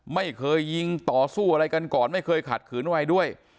ไม่เคยยิงต่อสู้อะไรกันก่อนไม่เคยขัดขืนวัยด้วย